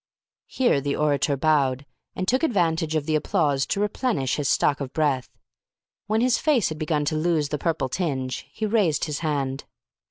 Here the orator bowed, and took advantage of the applause to replenish his stock of breath. When his face had begun to lose the purple tinge, he raised his hand.